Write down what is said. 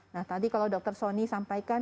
nah tadi kalau dr sonny sampaikan